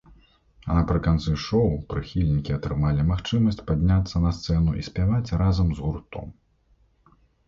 А напрыканцы шоў прыхільнікі атрымалі магчымасць падняцца на сцэну і спяваць разам з гуртом.